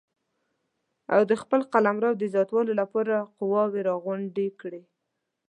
او د خپل قلمرو د زیاتولو لپاره یې قواوې راغونډې کړې.